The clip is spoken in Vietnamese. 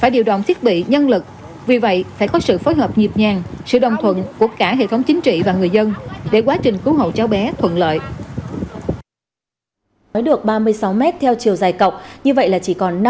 điều tiết giao thông hạn chế tối đao ủng tắc có thể xảy ra